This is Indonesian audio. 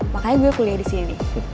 makanya gue kuliah disini